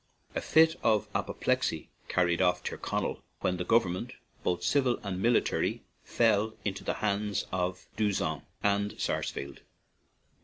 A fit of apoplexy carried off Tyrconnell, when the government, both civil and military, fell into the hands of D'Usson and Sars fleld.